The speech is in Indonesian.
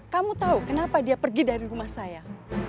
kamu tahu kenapa dia pergi dari rumah saya